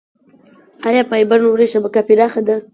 آیا فایبر نوري شبکه پراخه ده؟